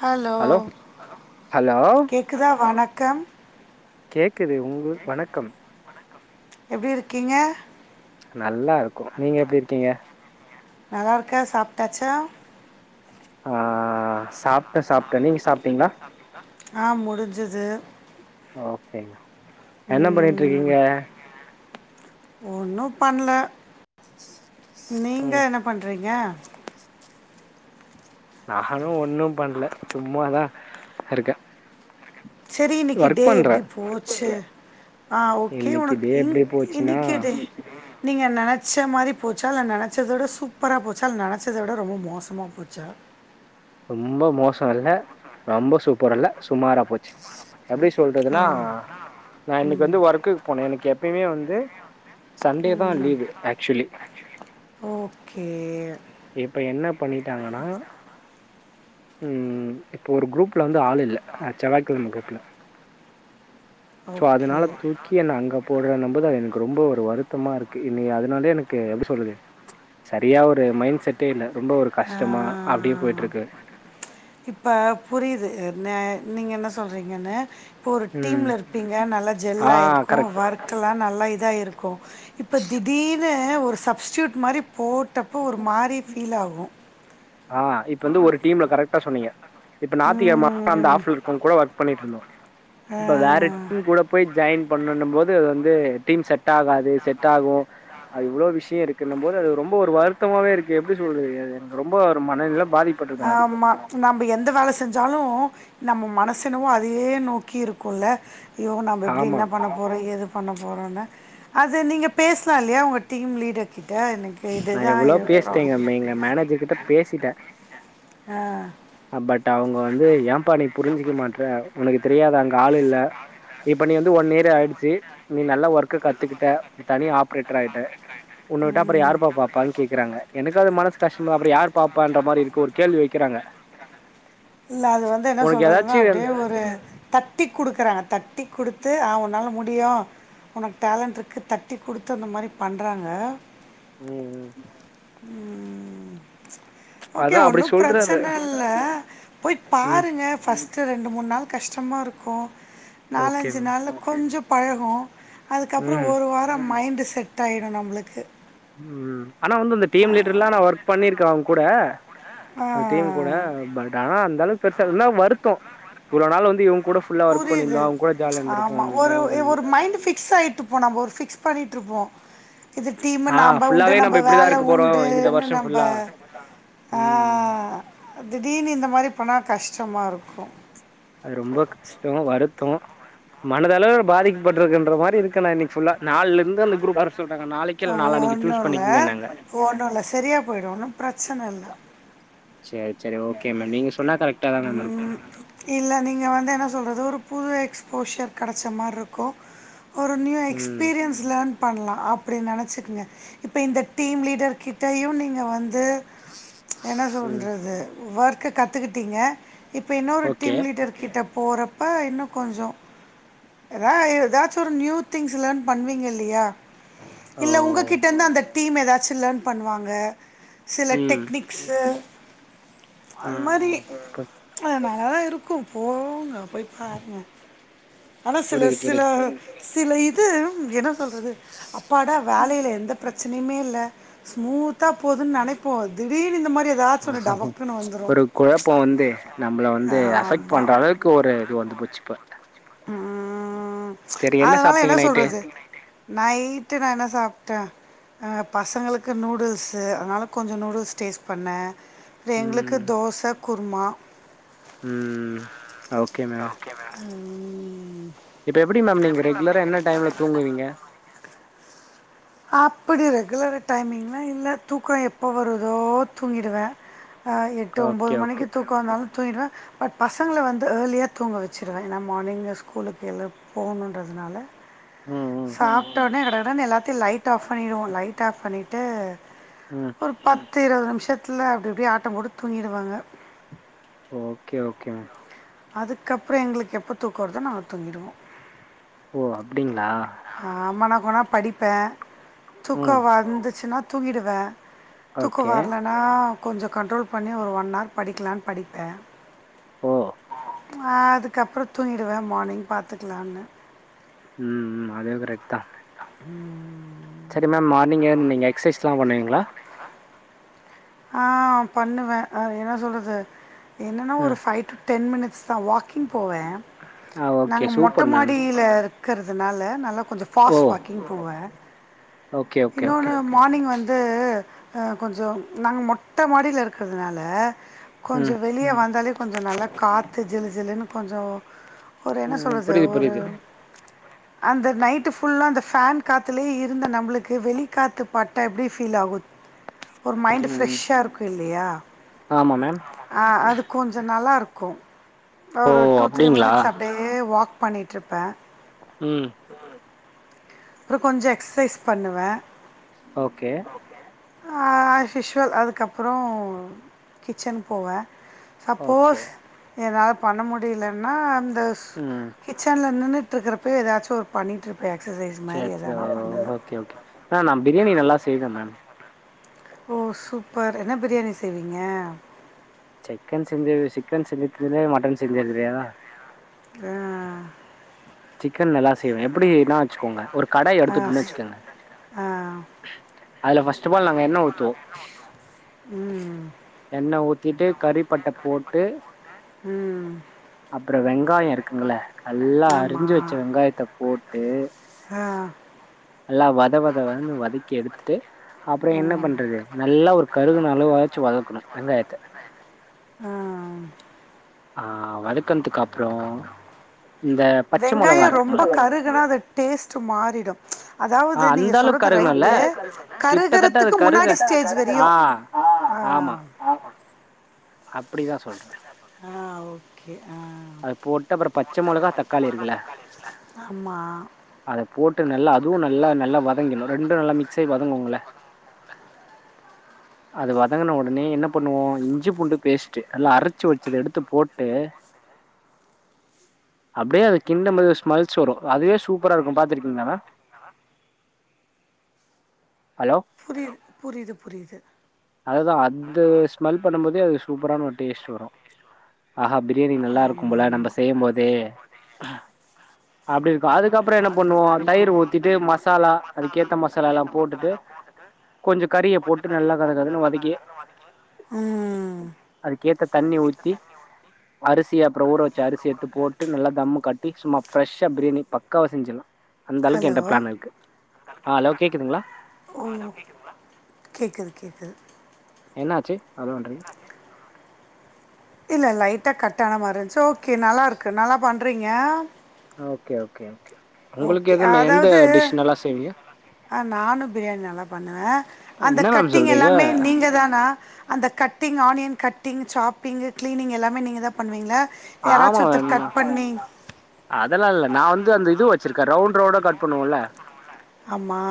Hello hello கேக்குதா வணக்கம் கேக்குது உங்கள் வணக்கம் எப்டி இருக்கீங்க நல்லா இருக்கோ நீங்க எப்டி இருக்கீங்க நல்லா இருக்க சாப்ட்டாச்சா ஆ சாப்ட்ட சாப்ட்ட நீங்க சாப்ட்டீங்ளா ஆ முடிஞ்சுது ஓகே என்ன பண்ணிட்ருக்கீங்க ஒன்னும் பண்ணல நீங்க ம் என்ன பண்றீங்க நானு ஒன்னும் பண்ல சும்மாதா இருக்க சேரி இன்னைக்கு டே பண்றே எப்படி போச்சு ஆ ஓகே இன்னைக்கு ஒனக்கு டே இன் எப்டி போச்சுன்னா இன்னைக்கு டே நீங்க நனச்ச மாரி போச்சா இல்ல நனச்சதோட சூப்பரா போச்சா இல்ல நனச்சதோட ரொம்ப மோசமா போச்சா ரொம்ப மோசோ இல்ல ரொம்ப சூப்பரு இல்ல சுமாரா போச்சு எப்படி ஓ சொல்றதுன்னா நா இன்னைக்கு வந்து ஒர்க்குக்கு போன எனக்கு எப்பயுமே வந்து சண்டே தா ம் லீவு ஆக்சுவலி ஓகே இப்ப என்ன பண்ணிட்டாங்கன்னா ம் இப்போ ஒரு குரூப்ல வந்து ஆள் இல்ல ஆ செவ்வாய்கெழம குரூப்ல சோ ஓகே அதனால து க்கி என்ன அங்க போறனும் போது அது எனக்கு ரொம்ப ஒரு வருத்தமா இருக்கு இனி அதனாலே எனக்கு எப்டி சொல்றது சரியா ஒரு மைண்ட் செட்டே இல்ல ரொம்ப ஒரு கஷ்டமா அப்டியே ஆ போயிட்ருக்கு இப்ப புரியுது ந நீங்க என்ன சொல்றீங்கன்னு ஒரு ம். டீம்ல இருப்பீங்க நல்லா ஆ ஜெல்லாயிருக்கு‌ கரெக்ட். வர் க்குல்லா நல்லா இதா ஆயிருக்கு இப்போ திடீனு ஒரு சப்ஸ்டியூட் மாரி போட் டப்போ ஒரு மாரி ஃபீல் ஆகு ஆ இப்ப வந்து ஒரு டீம்ல கரெக்டா சொன்னீங்க இப்ப ஞாத்திகெழம அந்த ம். ஆஃப் இருக்கோங் கூட ஒர்க் பண்ணிட்ருந்தோ ஆ. இப்ப வேற டீம் கூட போய் ஜாயின் பண்ணனும் போது அது வந்து டீம் செட் ஆகாது து செட் ஆகு அது இவ்ளோ விஷயோ இருக்குன்னும் போது அது ரொம்ப ஒரு வருத்தமாவே இருக்கு எப்படி சொல்றது அது எனக்கு ரொம்ப ஒரு மனநிலம் ஆமா நம்ம எந்த வேல செஞ்சாலும் நம்ம மனசு என்னவோ அதையே நோக்கி இருக்குல்ல ஐயோ நம்ப எப்டி ஆமா என்ன பண்ண போறோ ஏது பண்ண போறோன்னு அது நீங்க பேசலா இல்லையா உங்க டீம் லீடர்கிட் ட எனக்கு நா இதுதான் எவ்ளோ என் பேசிட்டேன்ங்க எங்க மேனேஜர் கிட்ட பேசிட்டே அ பட் அவுங்க வந்து ஏம்பா நீ புரிஞ்சுக்க மாட்றே உனக்கு தெரியாது அங்க ஆள்யில்ல இப்ப நீ வந்து ஒன் இயர் ஆயிடுச்சு நீ நல்ல ஒர்க்க கத்துக்கிட்ட நீ தனியா ஆப்ரேட்டர் ஆயிட்ட உன்ன விட்ட அப்றோ ம். யாருப்பா பாப்பான்னு கேக்கறங்க எனக்கு அது மனசு கஷ்டமா அப்டி யாரு பாப்பான்ற மாரி இருக்கு ஒரு கேள்வி வைக்கிறாங்க இல்ல அது வந்து என்ன உனக்கு சொல்றதுன்னா ஏதாச்சு அப்டியே ஒரு தட்டி குடுக்குறாங்க தட்டி குடுத்து ஆ உன்னால முடியு உனக்கு டேலண்ட்ருக்கு தட்டி குடுத்து அந்த மாரி பண்றாங்க ம் க ம் ஓகே அதா அப்டி ஒன்னு சொல்றாரு பிரச்சனையில்ல போயி ம் பாருங்க ஃபர்ஸ்ட்டு ரெண்டு மூணு நாள் கஷ்டமாகருக்கு ஓகே நாலஞ்சு நாள்ல கொஞ்சோ பழகு அதுக்கப்புறோ ம் ஒரு வாரோ மையிண்டு செட்டாயிடு நம்மளுக்கு ம் ம் ஆனா வந்து இந்த டீம் லீடர்லா நா ஒர்க் பண்ணியிருக்கே அவங்க கூட அது டீம் கூட ஆ பட் ஆனா அந்த அளவுக்கு பெருசாவுல்ல ஆனா வருத்தோ இ்வ்ளோ நாள் வந்து இவுங்க கூட ஃபுல்லா ஒர்க் புரியுது பண்ணியிருந்தோ அவங்க கூட ஜாலியா ஆமா இருந்திருப்போன்ற ஒரு இது ஒரு மைண்ட் ஃபிக்ஸ் ஆயிட்டு இப்ப நம்போ ஒரு ஃபிக்ஸ் பண்ணிகிட்டுருப்போ இது டீம்மு ஆ நம்ம உண்டு ஃபுல்லாவே நம்ப நம்ம இப்டிதா வேல இருக்க போறோ இந்த உண்டுன்னு வருஷோ நம்ப ஃபுல்லா ஆ ம் திடீர்னு இந்த மாரி பண்ணா கஷ்டமாருக்கு அது ரொம்ப கஷ்டோ வருத்தோ மனதளவுல பாதிக்கப்பட்டுருக்கன்ற மாரி இருக்க நா இன்னைக்கி ஃபுல்லா நால்லருந்து அந்த குரூப் வர சொல்டாங்க நாளைக்கி இல்ல நாளானாலைக்கி சூஸ் பண்ணிக்கேங்கன்னாங்க ஓடானு செரியாக போயிடு ஒன்னு ம் பிரச்சன இல்ல சேர் சேரி ஓகே மேம் நீங்க சொன்னா கரெக்டாதா மேம் இருக்கு இல்ல நீங்க வந்து என்ன சொல்ராது ஒரு புது எக்ஸ்போஷர் கடச்ச மாரிருக்கு ஒரு நியூ ம் எக்ஸ்பீரியன்ஸ் லேர்ன் பண்லா அப்படி நெனச்சிக்கங்க இப்போ இந்த டீம் லீடர் கிட்டயையு நீங்க வந்து என்ன ம் சொல்றது ஒர்க்கு கத்துக்கிட்டீங்க இப்போ இன்னொரு ஓகே டீம் லீடர்க் கிட்ட போறப்ப இன்னு கொஞ்சோ ஏதாஷஏதாச்சு நியூ திங்ஸ் லேர்ன் பண்ணுவீங்கல்லையா ஓ இல்ல உங்ககிட்டருந்து அந்த டீம் ஏதாச்சும் லேர்ன் பண்ணுவாங்க சில ம் டெக்னிக்ஸு ஆ அது மாரி பு அ நல்லாதா இருக்கு போங்க போய் பாருங்க ஆனா சில புரியுது சில புரியுது சில இது என்ன சொல்றது அப்பாட வேலையில எந்த பிரச்சனையுமே இல்ல ஸ்மூத்தா போதுன்னு நெனைப்போ திடீர்னு இந்த மாதிரி ஏதாச்சு ஒன்னு டபக்குன் ஒரு கொழப்போ வந்து நம்மள வந்து அஃபெக்ட் ஆமா பண்ற அளவுக்கு ஒரு இது வந்து போச்சு இப்ப ம் செரி அதனால சாப்ட்டீங்க என்ன நைட்டு சொல்றது நைட்டு நா என்ன சாப்ட்டே பசங்களுக்கு நூடுல்ஸு அதனால கொஞ்சோ நூடுல்ஸ் டேஸ்ட் பண்ணே அப்ற எங்களுக்கு ம் தோச குர்மா ம் ஓகே மே ம் இப்ப எப்டி மேம் நீங்க ரெகுலரா என்ன டைம்ல தூங்குவீங்க அப்டி ரெகுலர் டைமிங்லா இல்ல தூக்கோ எப்போ வருதோ தூங்கிடுவே ஆ எட்டு ஒம்பது ஓகே ஓகே மணிக்கி தூக்கோ வந்தாலு தூங்கிடுவே பட் பசங்கள வந்து ஏர்லியா தூங்க வச்சுருவே ஏன்னா மார்னிங்க ஸ்கூலுக்கு எழுப் போகணுன்றதுனால ம் ம் சாப்ட்டோனே கடகடனு எல்லாத்தையு லைட் ஆஃப் பண்ணிருவோ லைட் ஆஃப் பண்ணிட்டு ம் ஒரு பத்து இருவது நிமிஷத்துல அப்டி இப்டி ஆட்டம் போட்டு துங்கிடுவாங்க ஓகே ஓகே மேம் அதுக்கப்றொ எங்ளுக்கு எப்ப தூக்க வருதோ நாங்க தூங்கிடுவோ ஓ அப்டிங்ளா ஆமா நா கொனா படிப்பே தூக்க ம் வந்துச்சுனா தூங்கிடுவே தூக்கொ ஓகே வர்லனா கொஞ்சொ கண்ட்ரோல் பண்ணி ஒரு ஒன் ஆர் படிக்கலான் படிப்பே ஓ ஆ அதுக்கப்றோ தூங்கிடுவே மானிங் பாத்துக்லான்னு ம் ம் அதுவு கரெட்தா ம் செரி மேம் மார்னிங் எழுந்து நீங்க எக்சைஸ்லா பண்ணுவீங்ளா? ஆ பண்ணுவே அ என்ன சொல்றது என்னனா ஒரு ம் ஃபை டு டென் மினிட்ஸ் தா வாக்கிங் போவே ஆ ஓகே நாங்க மொட்ட சூப்பர் மேம் மாடியில இரு க்கற்துனால நல்லா கொஞ்ச‌ ஓ ஃபாஸ்ட் வாக்கிங் போவே ஓகே ஓகே ஓகே இன்னோனு மானிங் வந்து அ கொஞ்சொ நாங்க மொட்ட மாடில இருக்கதுனால கொஞ்சொ ம் வெளிய வந்தாலே கொஞ்சொ நல்லா காத்து ஜிலு ஜிலுன்னு கொஞ்சோ ஒரு என்ன ம் சொல்றது புரியுது ஒரு புரியுது அந்த நைட்டு புல்லா அந்த ஃபேன் காத்துலே இருந்த நம்மளுக் கு வெளிக்காத்து பட்டா எப்டி ஃபீல் ஆகு ஒரு மைண்டு் ம் ஃப்ரெஷ்ஷா இருக்கு இல்லியா ஆமா மேம் ஆ அது கொஞ்ச நல்லாருக்கு ஓ ஒரு டூ த்ரீ அப்டிங்களா மினிட்ஸ் அப்டியே வாக் பண்ணிட்ருப்பே ம் ம் அப்றொ கொஞ்ச எக்ஸசைஸ் பண்ணுவே ஓகே ஆ அஷ்யுஷ்வல் அதுக்கப்புறோ கிச்சன் போவே ஓகே சப்போஸ் என்னால பண்ண முடிலன்னா அந்த ம் கிச்சன்ல நின்னுட்ருக்குறப்பே எதாச்சு ஒரு பண்ணிட்ருப்பே எக்ஸசைஸ் மாதிரி சேர் சேர் எதனா ஓ பண்ணுவேன் ஓகே ஓகே மே நா பிரியாணி நல்லா செய்வே மேம் ஓ சூப்பர் என்ன பிரியாணி செய்வீங்க? சிக்கன் செஞ்ச சிக்கன் செஞ்சுக்குறே மட்டன் செஞ்ச தெரியாதா ஆ சிக்கன் நல்லா செய்வே எப்புடின்னா வச்சுக்கோங்க ஒரு கடாய் ஆ எடுத்துட்னு ஸ் வச்சுக்கங்க ஆ அதுல ஃபஸ்ட் அஃப் ஆல் நாங்க எண்ண ஊத்துவோ ம் எண்ண ஊத்திட்டு கறி பட்ட போட்டு ம் அப்றொ வெங்காய இருக்குங்கல நல்லா அரிஞ்சு வச்ச ஆமாம் வெங்காயத்த போட்டு ஆ நல்லா வத வத வதன் வதக்கி எடுத்துட்டு அப்றொ என்ன பண்றது நல்லா ஒரு கருகுன அளவாச்சு வதக்கனு வெங்காயத்த அ ம் ஆ வதக்கன்த்துக்கப்றோ இந்த பச்ச மொளகா வெங்காயோ ரொம்ப இருக்குங்கள கருகுனா அது டேஸ்ட்டு மாறிடு ஆ அதாவது நீங்க அந்த அளவுக்கு சொல்றது கருகணுல்ல ரைட்டு கிட்டத்தட்ட அது கருகுறத்துக்கு கருக முன்னாடி ஸ்டேஜ் ஆ, வரையு ஆமா அப்டிதா சொல்றே ஆ ஓகே ஆ அது போட்டு அப்புறம் பச்சை மொளகா, தக்காளி இருக்குல்ல, ஆ ஆமா அத போட்டு நல்லா அதுவு நல்லா நல்லா வதங்கிணு ரெண்டு நல்லா மிக்ஸ் ஆயி வதங்குங்கள [unintelligible] அது வதங்கின ஒடனே என்ன பண்ணுவோ இஞ்சி பூண்டு பேஸ்ட்டு நல்லா அரச்சு வச்சத எடுத்து போட்டு அப்டியே அது கிண்ட போது ஸ்மெல்சு வரு அதுவே சூப்பரா இருக்கு பாத்துருக்கீங்களா மேம் ஹலோ புரியு புரிது புரிது அதுதா அந்து ஸ்மெல் பண்ணுபோதே அது சூப்பரான ஒரு டேஸ்ட் வரு ஆ ஹா பிரியாணி நல்லா இருக்கும் ஆமா போல நம்ம ஆமா செய்ய போதே அப்டி அதுக்கப்பறோ என்ன பண்ணுவோ தயிர் ஊத்திட்டு மசாலா அதுக்கேத்த மசாலா ல்லா போட்டுட்டு கொஞ்சோ கறிய போட்டு நல்லா கத கதன்னு வதக்கி ம் அதுக்கேத்த தண்ணி ஊத்தி அரிசி அப்பறோ ஊற அரிசி எடுத்து போட் டு நல்லா தம்மு கட்டி சும்மா ஃப்ரெஷா பிரியாணி பக்காவா செஞ்சிர்லா அந்த அளவுக்கு ஹலோ என்ட பிளான் இருக்கு ஆ ஹலோ கேக்குதுங்களா ஓ கேக்குது கேக்குது என்ன ஆச்சு ஹலோ ன்றிங்க இல்ல லைட்டா கட் ஆன மாரி இருந்துச்சு ஓகே நல்லாருக்கு நல்லா பண்ணுறீங்க ஓகே ஓகே ஓகே உங்களுக்கு ஓகே எதுவும் எந்த அதாவ்து டிஷ் நல்லா செய்வீங்க ஆ நானு பிரியாணி நல்லா பண்ணுவே அந்த என்ன மேம் கட்டிங் சொல்றீங்க எல்லாமே நீங்க தானா அந்த கட்டிங் ஆனியன் கட்டிங் சாப்பிங்கு கிளீனிங் எல்லாமே நீங்க தா பண்ணுவீங்களா ஆமா யாராச்சு ஒர்த்தர் மேம்னா கட் பண்ணி அதெல்லா இல்ல நா வந்து அந்த இது வச்சிருக்கே ரவுண்ட் ரவுண்டா கட் பண்ணுவோல்ல ஆமா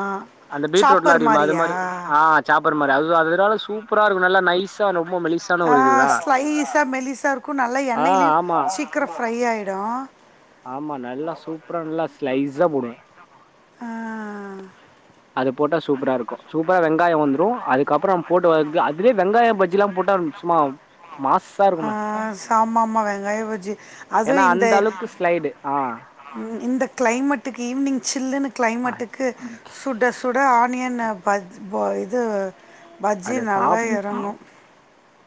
அந்த பீட்ரூட்லா சாப்பர் அரியுமா அது மாரியா மாரி ஆ சாப்பர் மாரி அது அதனால சூப்பரா இருக்கு நல்லா நைஸ் ஸா ரொம்ப மெலி ஆ ஸ்லைஸா மெலிஸா இருக்கு நல்லா ஆ எண்ணெய்லயு ஆமா சீக்கிரோ ஃப்ரை ஆயிடு ஆமா நல்லா சூப்பரா நல்லா ஸ்லைஸா போடுவே ஆ அது போட்டா சூப்பரா இருக்கு சூப்பரா வெங்காயோ வந்துரு அதுக்கப்பறம் போட்டு வதக்கு அது அதுலயே வெங்காய பஜ்ஜிலா போட்டா சும்மா மாசா இருக்கும அ சா மாம்மா வெங்காய பஜ்ஜி ஏனா அதுவு அந்த இந்த அளவுக்கு ஸ்லைடு ஆ இந்த கிளைமேட்டுக்கு ஈவினிங் சில்லுன்னு ஆ கிளைமேட்டுக்கு சுட சுட ஆனியன் அ பஜ் போ இது பஜ்ஜி நல்லா எறங்கு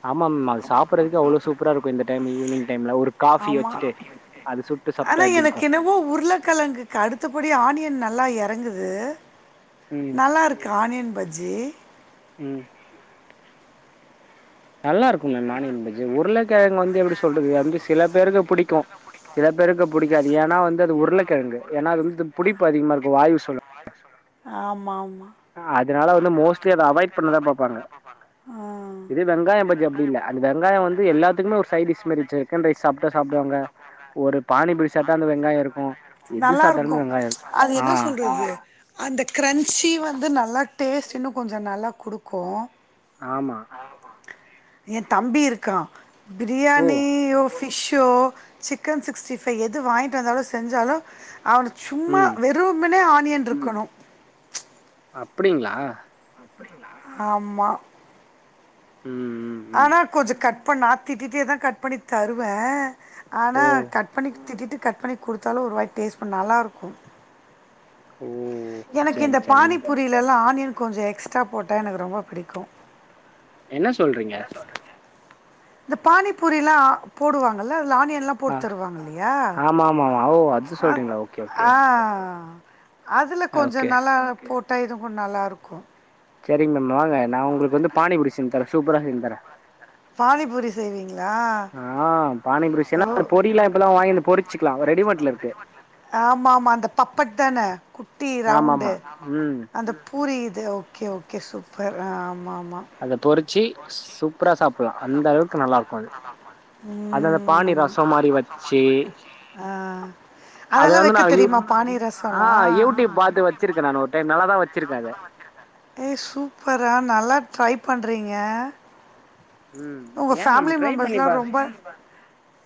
ஆமாம்மா அது சாப்றதுக்கு அவ்ளோ சூப்பரா இருக்கு இந்த டைம் ஈவினிங் டைம்ல ஒரு காஃபி ஆமா வச்சுட்டு அது சுட்டு ஆனா சாப்ட்டா எப்டி எனக்கு இருக்கு என்னவோ உருளக்கெழங்கு கடுத்தபடி ஆனியன் நல்லா எறங்குது ம் நல்லா இருக்கு ஆனியன் பஜ்ஜி ம் நல்லா இருக்குங்க இந்த ஆனியன் பஜ்ஜி உருளைக்கெழங்கு வந்து எப்டி சொல்றது அது வந்து சில பேருக்கு புடிக்கு சில பேருக்கு புடிக்காது ஏனா வந்து அது உருளக்கெழங்கு என்னா அது வந்து புடிப்பு அதிகமா இருக்கு வாய்வு சொல்ல ஆமா ஆமா அதனால வந்து மோஸ்ட்லி அத அவாய்ட் பண்ணதா பாப்பாங்க ஆமாம் இதே வெங்காய பஜ்ஜி அப்டி இல்ல அது வெங்காய வந்து எல்லாத்துக்குமே ஒரு சைட் டிஷ் மாரி சிக்கன் ரைஸ் சாப்ட்டா சாப்டுவாங்க ஒரு பானிபூரி சாப்டா அந்த வெங்காய இருக்கு எது சாப்டாலுமே வெங்காய இருக்கு ஆ சொல்றது அந்த கிரன்ச்சி வந்து நல்லா டேஸ்ட் இன்னு கொஞ்ச நல்லா குடுக்கு ஆமா எந் தம்பி இருக்கா ஓ பிரியாணியோ ஃபிஷ்ஷோ சிக்கன் சிக்ஸ்ட்டி ஃபைவ் எது வாங்கிட்டு வந்தாலு செஞ்சாலு அவனுக் சும்மா ம் வெ றுமுனே ஆனியன் இருக்கணு அப்டிங்ளா ஆமா ம் ம் ம் ஆனா கொஞ்ச கட் பண்ணா திட்டிட்டேதா கட் பண்ணி தருவே ஆனா ஓ கட் பண்ணி திட்டிட்டு கட் பண்ணி குடுத்தாலு ஒரு வாய் டேஸ்ட் பண் நல்லா இருக்கு ம் எனக்கு இந்த பானிபூரிலெல்லா ஆனியன் கொஞ்ச எக்ஸ்ட்ரா போட்டா எனக்கு ரொம்ப பிடிக்கு என்ன சொல்றிங்க இந்த பானிபூரில்லா போடுவாங்கல்ல அதுல ஆனியன்லா ஆ போட்டுத்தருவாங்க இல்லயா ஆமா ஆமா ஆமா ஓ அது சொல்றீங்களா ஓகே ஓகே அ ஆ அதுல கொஞ்ச ஓகே நல்லா போட்டா இதுவு நல்லாருக்கு செரி மேம் வாங்க நா உங்களுக்கு வந்து பானிபூரி செஞ்சி தரே சூப்பரா செஞ்சி தரே பானிபூரி செய்விங்ளா ஆ பானி பூரி செய்னா அது பொரில்லா இப்பெல்லா வாங்கின் வந்து பொரிச்சிகலா ரெடிமேட்ல இருக்கு ஆமா ஆமா அந்த பப்பட் தான குட்டி ஆமா ரவுண்டு ஆமா ம் அந்த பூரி இது ஓகே ஓகே சூப்பர் அ ஆமா ஆமா அத பொறிச்சி சூப்பரா சாப் அது அந்த பானி ம் ரசோ மாரி வச்சு ஆ அத அதெல்லா வந்து நா வெக்க யூ தெரிமா பானி ஆ ரசல்லா யூடியூப் பாத்து வச்சிருக்கே நானு ஒரு டைம் நல்லாதா வச்சிருக்கே அத ஏ சூப்பர்ரா நல்லா ட்ரை பண்றிங்க ம் உங்க ஏ மேம் ஃபேமிலி ட்ரை பண்ணி மெம்பர்ஸ்லா பா ரொம்ப ம்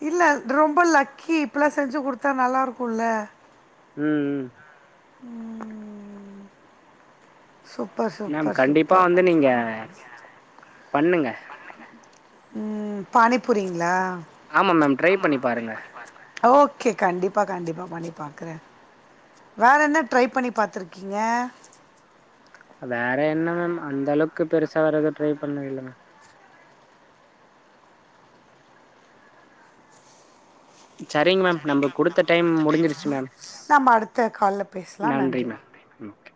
இல்ல ரொம்ப லக்கி இப்பிலா செஞ்சு குடுத்தா நல்லாருக்குல்ல ம் ம் ம் சூப்பர் மேம் சூப்பர் கண்டிப்பா சூப்பர் வந்து நீங்க பண்ணுங்க ‌ம்‌ பானிபூரிங்ளா ஆமா மேம் ட்ரை பண்ணி பாருங்க ஓகே கண்டிப்பா கண்டிப்பா பண்ணி பாக்கற வேற என்ன ட்ரை பண்ணி பாத்துருக்கிங்க வேற என்ன மேம் அந்த அளவுக்கு பெருசா வேறெது ட்ரை பண்ணதில்ல மேம் சரிங் மேம் நம்ம குடுத்த டைம் முடிஞ்சிருச்சு மேம் நம்ம அடுத்த கால்ல பேசலா நன்றி மேம் ஓகே